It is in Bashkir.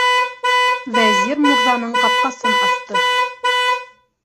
Вәзир мурҙаның ҡапҡасын асты.